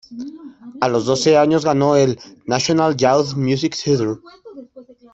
A los doce años ganó el "National Youth Music Theatre".